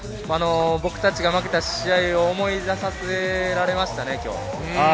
僕たちが負けた試合を思い出させられましたね。